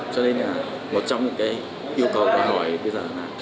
cho nên là một trong những cái yêu cầu đòi hỏi bây giờ